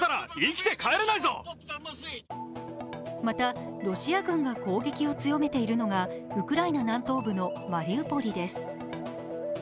また、ロシア軍が攻撃を強めているのがウクライナ南東部のマリウポリです。